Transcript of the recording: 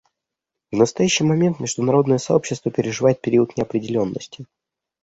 В настоящий момент международное сообщество переживает период неопределенности.